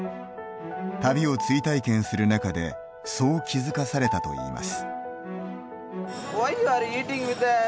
旅を追体験する中でそう気付かされたといいます。